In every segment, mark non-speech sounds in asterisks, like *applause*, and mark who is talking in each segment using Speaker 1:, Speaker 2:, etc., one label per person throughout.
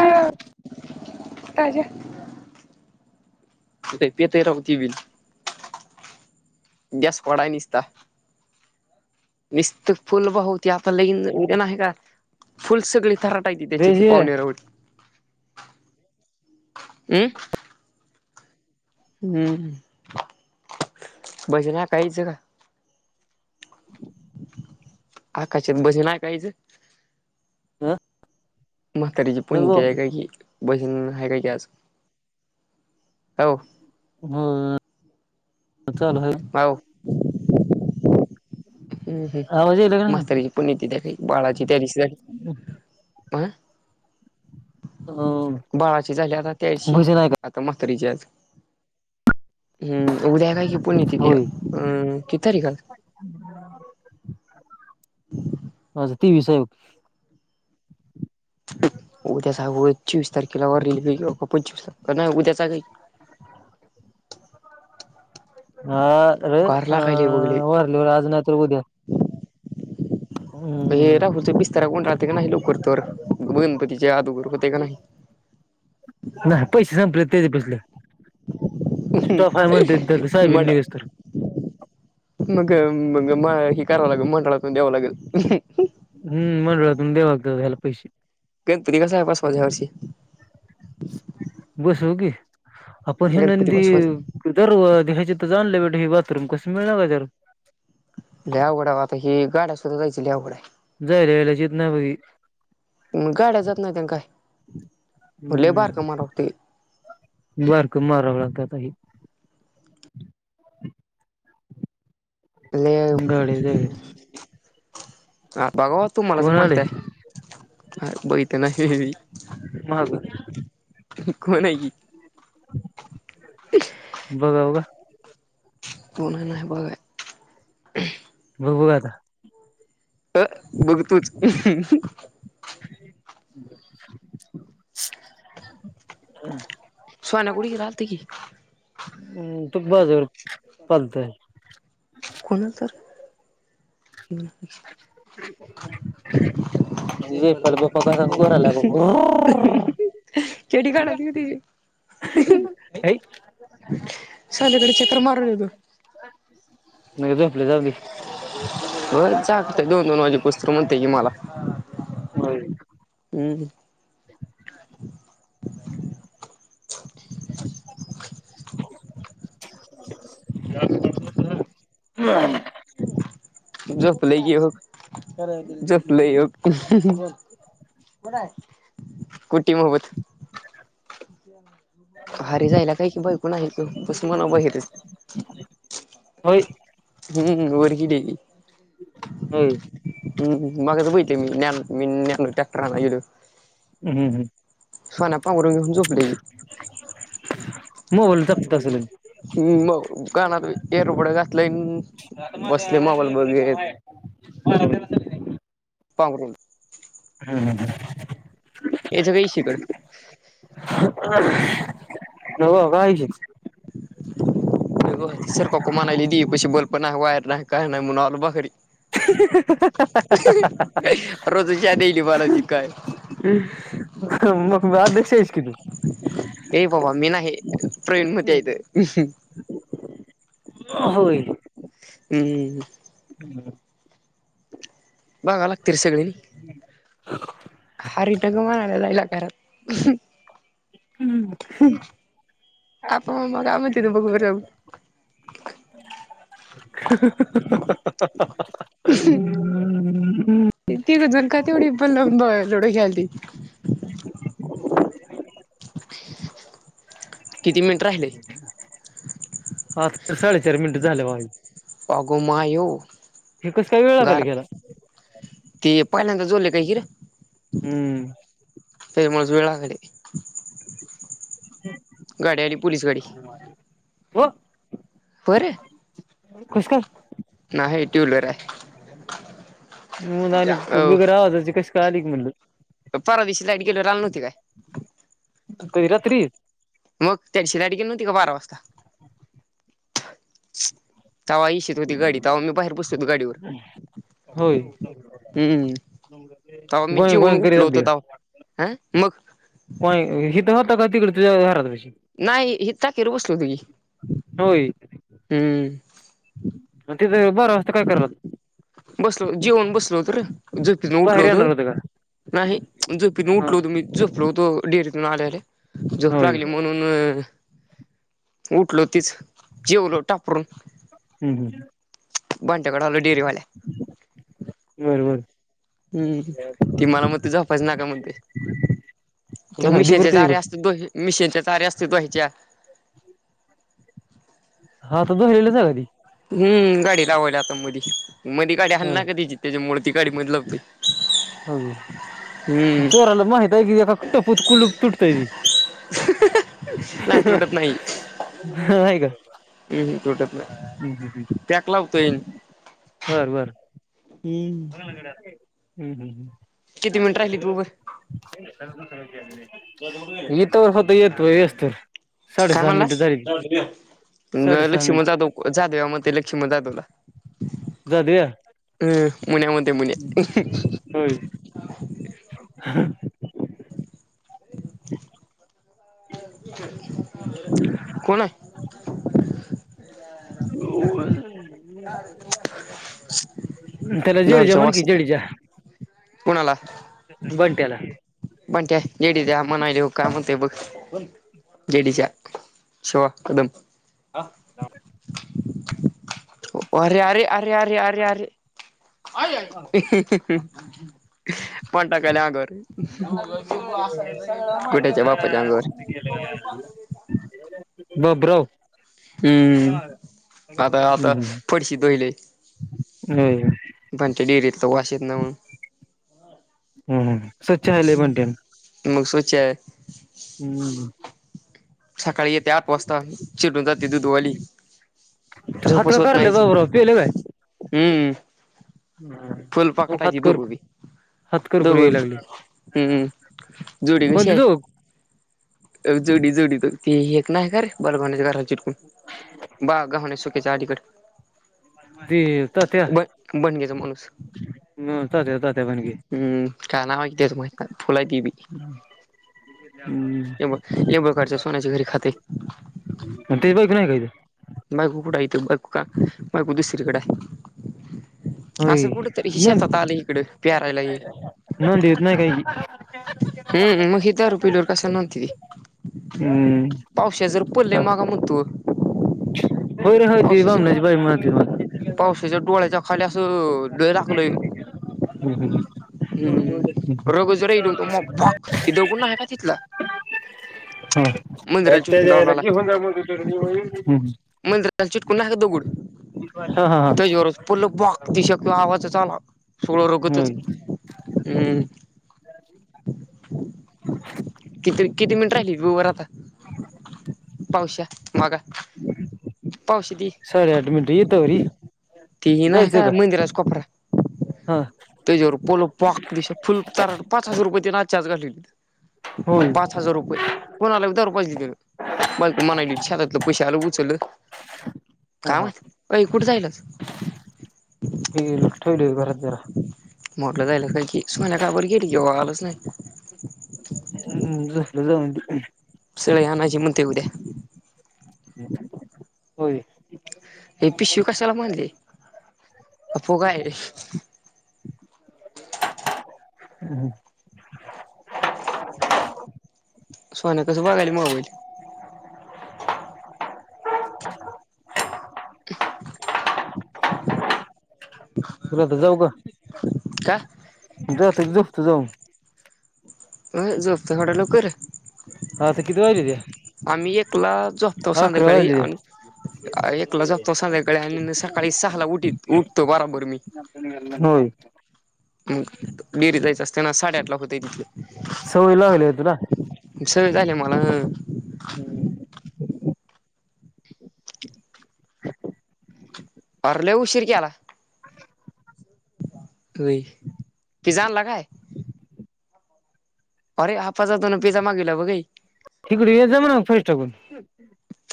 Speaker 1: जेव-
Speaker 2: *unintelligible* गॅस फोडाय निसता. निसत फूल वाहू. त्या आता लगिन उद्या नाही का? फुल सगळी तराट- त्याच्यातली
Speaker 1: रेजे
Speaker 2: पावणे रावळे. हं. हम्म. भजन ऐकायचं- आक्काच्यात भजन ऐकायचं?
Speaker 1: हा?
Speaker 2: म्हातारीची पणी
Speaker 1: नको
Speaker 2: ते आहे काय की? भजन हाय काय की आज? काय हो?
Speaker 1: ह. चाल हाय.
Speaker 2: हो हम्म हम्
Speaker 1: आवाज यायला का नाही?
Speaker 2: म्हातारीची पुण्यतिथी आहे काय? बाळाची त्या दिशी झाली. ह. बाळाची झाली आता त्याशी.
Speaker 1: भजन आहे का?
Speaker 2: आता मा- तरीची आज. हम्म उद्या हाय काय की पुण्यतिथी?
Speaker 1: होय
Speaker 2: अं -किती तारीख आज?
Speaker 1: आज तेवीस हाय बघ.
Speaker 2: उद्याच हाय चोवीस तारखेला वारलेल्या पंचवीस तर नाही. उद्याचा हाय व्हय?
Speaker 1: हा ररे,
Speaker 2: गार
Speaker 1: अ
Speaker 2: लागायलय बघ लय.
Speaker 1: -वारलीवर आज नाही तर उद्या.
Speaker 2: हे
Speaker 1: हम्म
Speaker 2: राहुलचा बिस्तारा गुंडाळते का नाही लवकर, तर गणपतीचे आदोगर होतय का नाही? *unintelligible*
Speaker 1: नाही पैसे संपले त्याच्या पसले. स्टॉफ आहे म्हणते त्या
Speaker 2: हम्म
Speaker 1: साहेबीन
Speaker 2: मड
Speaker 1: निघस तर
Speaker 2: मग मंग म हे करावं लागेल मंडळातून द्यावं लागेल.
Speaker 1: हम्म मंडळातून द्यावं लागलं ह्याला पैसे
Speaker 2: गणपती कसा बसवायचा ह्या वर्षी.
Speaker 1: बसवू कि आपण ह्यो
Speaker 2: गणपती
Speaker 1: नंदी
Speaker 2: बसवायचा.
Speaker 1: दर व ह्यच्यातच आणलाय वाट हे बाथरूम कस मिळालय जर.
Speaker 2: लय अवघड हाय ओ आता हे गाड्या सुद्धा जायचं लय अवघड हाय.
Speaker 1: जायला येयला शेत नाही मधी
Speaker 2: मग गाड्या जात नाहीत अन काय लय
Speaker 1: हम्म
Speaker 2: बारका मारग वाटतय.
Speaker 1: बारक मारलय काय आता हे.
Speaker 2: लय
Speaker 1: गाडी जाय
Speaker 2: आ बघा तुम्हालाच
Speaker 1: कोण आले
Speaker 2: माहित आहे बघितलं नाही
Speaker 1: महाग
Speaker 2: कोण हे ही.
Speaker 1: बघा व
Speaker 2: कोण हाय नाही बघाय.
Speaker 1: बघू आता.
Speaker 2: अ बघ तूच
Speaker 1: *unintelligible*
Speaker 2: सोना कुठं गेला आलता की काल
Speaker 1: हम्म तू बाजवर पालतय
Speaker 2: कोणाला तर *inaudible*
Speaker 1: जे पाल बाप्पा कसा घोराला बघ
Speaker 2: *inaudible* *unintelligible*
Speaker 1: *unintelligible*
Speaker 2: शालीकडे चक्कर मारून येतो.
Speaker 1: नाही झोपल जाऊदे.
Speaker 2: व्हय चालतंय दोन दोन माजे पास्तूर म्हणतय ये मला.
Speaker 1: होय
Speaker 2: हम्म. *unintelligible*
Speaker 1: *inaudible*
Speaker 2: *unintelligible*
Speaker 1: *unintelligible*
Speaker 2: *unintelligible* कुटी मोबत *unintelligible*
Speaker 1: होय.
Speaker 2: हम्म वर की.
Speaker 1: हम्म.
Speaker 2: माग त प मी टॅक्टर आणल.
Speaker 1: हम्म हम्म
Speaker 2: सान पांगरू नंगून झोपली ही
Speaker 1: *unintelligible*
Speaker 2: मग कानात एर उबड घातलंय बसले मोबाईल मध्ये
Speaker 1: *unintelligible*
Speaker 2: पांघरून.
Speaker 1: *unintelligible*
Speaker 2: याच काही शिकड.
Speaker 1: हो कवा यायची?
Speaker 2: सर काक मानयली त पशी बल्प ना वायर नाही. काय नाय म्हणुन आलो बाखरी रोजची याद येईल मला ती काय
Speaker 1: *unintelligible* मग बाद *unintelligible* क्षस की तू
Speaker 2: ये बाबा मी नाही प्रवीण मधे इथं
Speaker 1: होय.
Speaker 2: हम्म
Speaker 1: हम्
Speaker 2: बघा लागतील सगळे हा रिटगमन आलेला *unintelligible* *unintelligible* आपण
Speaker 1: हम्म
Speaker 2: मग काय म्हणते बघू बर जाऊ
Speaker 1: ह् *inaudible* *unintelligible*
Speaker 2: तीघ जण काय ते लुडो खेळायला होते. किती मिनिट राहिले?
Speaker 1: हा साडेचार मिनिट झालं भाज
Speaker 2: अगो मा ये
Speaker 1: कस काय वेळ लागायला
Speaker 2: घर
Speaker 1: गेला
Speaker 2: ते पहिल्यांदा जोले. कािर
Speaker 1: हम्म
Speaker 2: फेमस वेळाकडे
Speaker 1: हम्
Speaker 2: गाड्या आली पोलीस गाडी
Speaker 1: हो
Speaker 2: बरं
Speaker 1: कस काय?
Speaker 2: नाही टू व्हीलर हाय.
Speaker 1: *unintelligible* आणि बिगर आवाजाची कशी का आली की म्हणलं.
Speaker 2: परवा दिवशी लाईड गेल्यावर आणली नव्हती काय?
Speaker 1: कधी रात्री?
Speaker 2: मग त्या दिवशी दाडी केली नव्हती का बारा वाजता? तव्हा इईशित होती गाडी तव्हा मी बाहेर पोसतो होतो गाडीवर
Speaker 1: होय
Speaker 2: हम्म. तेव्हा मी
Speaker 1: गोय गोय
Speaker 2: जेवन
Speaker 1: करीत
Speaker 2: उठलो होतो तेव्हा हं मग.
Speaker 1: होय हिथं होता का तिकडे हर
Speaker 2: नाही हित *unintelligible* बसल तुझी
Speaker 1: होय
Speaker 2: हम्म
Speaker 1: मग तिथे बारा वाजता काय करत होतात.
Speaker 2: बसलो, जेवुण बसलो होतो रे. झोपेतून उठलो
Speaker 1: बाहेर
Speaker 2: होतो,
Speaker 1: येणार होतं का
Speaker 2: नाही. झोपेतुन
Speaker 1: हा
Speaker 2: उठलो होतो मी, झोपलो होतो डेअरीतून आल्याआल्या, झोप
Speaker 1: होय
Speaker 2: लागली म्हणून उठलो तेच जेवलो टापरून.
Speaker 1: हम् हम्
Speaker 2: बंट्याकडे आलो डेअरीवाले
Speaker 1: बरं बर
Speaker 2: हम्म ती मला म्हणते झोपायच नाही का म्हणते? तर
Speaker 1: कुठं आहे दिबर
Speaker 2: मिशीनचे जार्या
Speaker 1: त्याच्याकडे
Speaker 2: असतात बघ, मिशीनच्या सारे अस्तित् व्हायच्या
Speaker 1: हा त तो हल्लीचा गाडी
Speaker 2: हम्म गाडी लावायली आता मधी. मधी गाडी हल
Speaker 1: होय
Speaker 2: ना का त्याची त्याच्यामुळे गाडी मध्ये लावतोय
Speaker 1: हम्
Speaker 2: हम्म
Speaker 1: चोराला माहित हाय की टपुक कुलप तुटतय.
Speaker 2: नाही
Speaker 1: होय
Speaker 2: हम् तुटत नाही, पॅक लावतोय. हम्म
Speaker 1: हम्म हम्म
Speaker 2: किती
Speaker 1: हम्
Speaker 2: मिनिट राहिली तू उभं
Speaker 1: येतो, होतो येत. तू येच तर.
Speaker 2: काय
Speaker 1: साडेसहा
Speaker 2: म्हणला
Speaker 1: मिनिटं झाली ती. साडेसहा
Speaker 2: लक्ष्मण
Speaker 1: मिनिट
Speaker 2: जाधव, जाधव्या म्हणताय लक्ष्मण जाधवला.
Speaker 1: जाऊया
Speaker 2: हम् मुन्या म्हणताय मुन्या.
Speaker 1: ह ह
Speaker 2: *inaudible* कोण आहे
Speaker 1: तेला जडेजा
Speaker 2: दारूच्या
Speaker 1: म्हणकी
Speaker 2: वासात
Speaker 1: जडेजा.
Speaker 2: कोणाला
Speaker 1: बंट्याला
Speaker 2: बंट्या जडेजा म्हणू राहिलो काय म्हणतोय बघ जडेजा शॉर्ट कदम
Speaker 1: *unintelligible*
Speaker 2: अरे अरे अरे अरे अरे अरे अह पडला की नाही अंगावर कुठच्या बापाच्या अंगावर *inaudible*
Speaker 1: ब ब्रो
Speaker 2: हम्म आता
Speaker 1: हम्म
Speaker 2: आता
Speaker 1: हम्म.
Speaker 2: फडशी धुवायले
Speaker 1: होय
Speaker 2: पणच्या डेरीतलं वास येत ना म्हणून
Speaker 1: हम ह, स्वच्छ हाये लई बंट्या.
Speaker 2: चे
Speaker 1: हम् हम
Speaker 2: सकाळी येते आठ वाजता, चिडून जाते दूधवाली.
Speaker 1: हात
Speaker 2: झोपच
Speaker 1: वर
Speaker 2: होत
Speaker 1: करु राह्यले
Speaker 2: नाही
Speaker 1: भाऊराव, पिले काय?
Speaker 2: हम्म
Speaker 1: हम्म.
Speaker 2: फुल
Speaker 1: हात
Speaker 2: पाखुटाबी दोघ
Speaker 1: कर
Speaker 2: बी.
Speaker 1: हात कर
Speaker 2: दोघ,
Speaker 1: करू याय लागले
Speaker 2: हम्म हम जोडी कशी
Speaker 1: कोणती
Speaker 2: आहे?
Speaker 1: तो
Speaker 2: जोडी जोडी तर ते एक नाही का रे बरगवण्याच्या घराच्या इकडून बा गमान सुक्याच्या अलीकड
Speaker 1: ती तात्या ह
Speaker 2: ब बनग्याचा माणूस
Speaker 1: तात्या तात्या बनगे
Speaker 2: हम्म काय नाही माहित त्याच्याबद्दल
Speaker 1: *inaudible*
Speaker 2: हे बघ एक रुपयाच्या सोन्याच्या घरी खातेय
Speaker 1: तेच बाईक नाही काय
Speaker 2: मगगू कूड हाय तु, बघका का मग दुसरकडे आहे असं कुठं तर शेतात आलं इकडं. प्यारायला ये
Speaker 1: *unintelligible* देत नाही काही
Speaker 2: हम्म मग ही दारू पिल्यावर *unintelligible* पावश्या जर पडले मग म्हणतो
Speaker 1: होय रे होय त बमनाची
Speaker 2: पावसाच्या
Speaker 1: बाई *unintelligible*
Speaker 2: पावसाच्या डोळ्याच्या खाली असं *unintelligible*
Speaker 1: *unintelligible*
Speaker 2: हम्म रगच राहिलो होतो मग भाक की दगड नाही का तिथला मंदिराला
Speaker 1: हत
Speaker 2: चिटकून
Speaker 1: त्याच्याईला होवून जा म्हणतो तरी मी
Speaker 2: *unintelligible* दगुड
Speaker 1: हा हा हा
Speaker 2: त्याच्यावरच पडलं बाक *unintelligible* आवाज आला. सोळ रगतच
Speaker 1: होय
Speaker 2: हम्म किती किती मिनिट राहिली बघ बर आता पावश *unintelligible*
Speaker 1: *unintelligible*
Speaker 2: ते नाय का का मंदिराच कोपरा.
Speaker 1: हा
Speaker 2: त्याच्यावर पोल पाक दिश फुल ताराट पाच हजार रुपये त्यानं आजच्या आज घालवले
Speaker 1: होय
Speaker 2: पाच हजार रुपये कोणा *unintelligible* बायको म्हणाली शातातलं पैसे आलं उचल
Speaker 1: हा
Speaker 2: काम कुठे जाईलच
Speaker 1: हे ठेल घरात जरा
Speaker 2: मोठलं जायल का की? सुन्या काबर गेली आलंच नाही
Speaker 1: झोपलं जाऊन
Speaker 2: *unintelligible* आणायची म्हणतं उद्या
Speaker 1: होय.
Speaker 2: हे पिशव कसाला बांधली फुगा ए ह सोन्या कस बघायला मोबाईल
Speaker 1: जात जाऊ का
Speaker 2: का
Speaker 1: जातो की झोपतो जाऊ.
Speaker 2: झोपतो एवढ्या लवकर?
Speaker 1: हा तर कितीे वाजलीेया
Speaker 2: आम्ही एकला झोपतो संध्याकाळी आण एकला झोपतो संध्याकाळी आणि सकाळी सहाला उठी उठतो बराबर मी.
Speaker 1: हो.
Speaker 2: मग *unintelligible* जायचं असते ना साडेआठ होते तिथल
Speaker 1: सवय लागली आहे तुला
Speaker 2: सवय झाली ये मला अरे लई उशर केला
Speaker 1: *unintelligible*
Speaker 2: लई पिजा आण ला काय? अरे *unintelligible* दादानं पिजा मागितला बघ ये
Speaker 1: तिकडे येत जा म्हणावं *unintelligible* टाकून.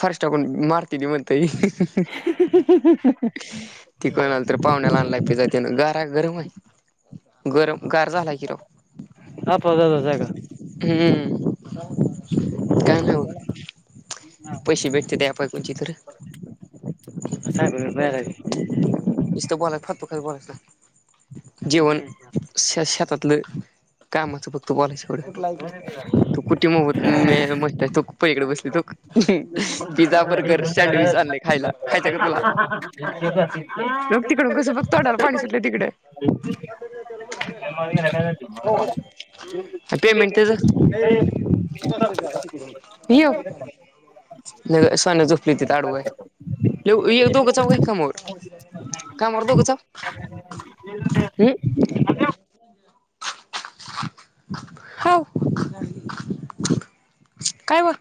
Speaker 2: फार्स्ट टाकून मारत्याती म्हणतय.
Speaker 1: *unintelligible*
Speaker 2: *unintelligible* तर पाहुण्याला आणला पिजा त्यानं गार गरम आहे. गरम गार झालाय कि र
Speaker 1: आपला दादा जागा
Speaker 2: हम्म. काय नाय बघ. पैसे भेटते *unintelligible* तरी निस्त *unintelligible* जेवण शे शेतातलं कामाचं फक्त तो *unintelligible* पलीकडे बसली तो पिझ्झा बर्गर सँडविच आणल खायला खायच काय तुला
Speaker 1: साहेब
Speaker 2: *unintelligible* तिकडून. कसं बग तोंडाला पाणी सुटलं तिकडे पेमेंट तेच सन झोपलीती ताडूय दो कचाव काही कामवर कामवर दो कचाव हम् हो काय बोल